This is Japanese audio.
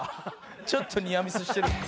ちょっとニアミスしてる。